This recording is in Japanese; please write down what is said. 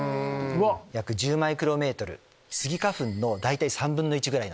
約１０マイクロメートルスギ花粉の大体３分の１。